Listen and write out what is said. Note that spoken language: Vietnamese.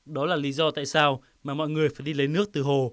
đó là lý do tại sao mà mọi người phải đi lấy nước từ hồ